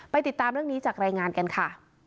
ติดตามเรื่องนี้จากรายงานกันค่ะ